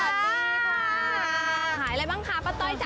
ขายอะไรบ้างคะป้าต้อยจ้ะ